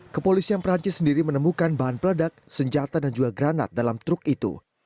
kepolisian perancis sendiri menemukan bahan peledak senjata dan juga granat dalam truk itu